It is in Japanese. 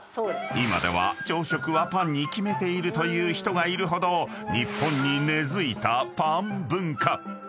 ［今では朝食はパンに決めているという人がいるほど日本に根付いたパン文化］